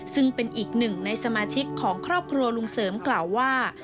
ซึ่งเป็นอีกหนึ่งในสมาชิกของครอบครัวลุงเสริมกล่าวว่า